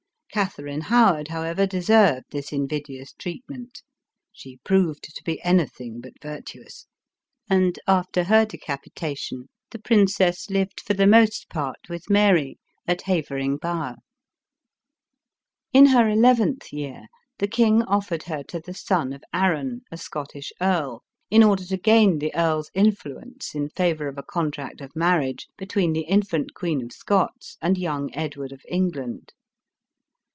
Katherine Howard, however, deserved this invidious treatment; she proved to be anything but virtuous ; and, after her decapitation, the princess lived for the most part with Mary, at Havering Bower. In her eleventh year, the king offered her to the son of Arran, a Scottish earl, in order to gain the earl's in fluence in favor of a contract of marriage between the infant Queen of Scots and young Edward of England.